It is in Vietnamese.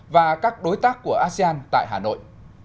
và các đối tác của asean tại hà nội